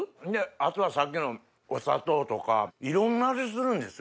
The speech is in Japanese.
あとはさっきのお砂糖とかいろんな味するんですよ。